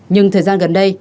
nhưng thời gian gần đây